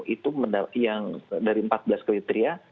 itu yang dari empat belas kriteria